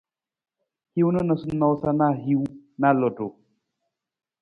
Hin noosanoosa na hiwung na ludu.